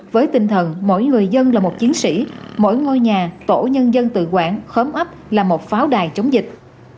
với tinh thần mỗi người dân là một chiến sĩ mỗi ngôi nhà tổ nhân dân tự quản khớm ấp là một pháo đài chống dịch